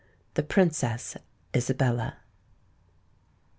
THE PRINCESS ISABELLA.